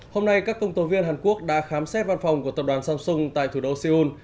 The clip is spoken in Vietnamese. hôm nay các công tố viên hàn quốc đã khám xét văn phòng của tập đoàn samsung tại thủ đô seoul